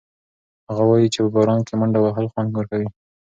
هغه وایي چې په باران کې منډه وهل خوند ورکوي.